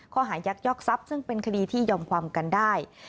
ยักยอกทรัพย์ซึ่งเป็นคดีที่ยอมความกันได้